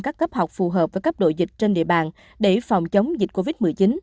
các cấp học phù hợp với cấp độ dịch trên địa bàn để phòng chống dịch covid một mươi chín